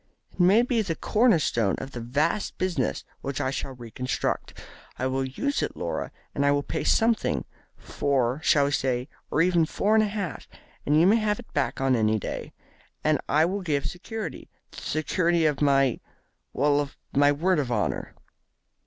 It may be the corner stone of the vast business which I shall re construct. I will use it, Laura, and I will pay something four, shall we say, or even four and a half and you may have it back on any day. And I will give security the security of my well, of my word of honour."